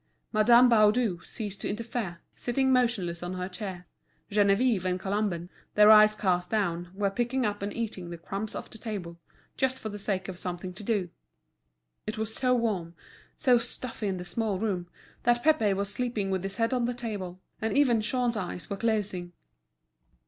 Madame Baudu ceased to interfere, sitting motionless on her chair; Geneviève and Colomban, their eyes cast down, were picking up and eating the crumbs off the table, just for the sake of something to do. It was so warm, so stuffy in the small room, that Pépé was sleeping with his head on the table, and even Jean's eyes were closing.